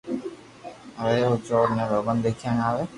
وري بي او چور ني ڀگوان دآکيا ۾ آوي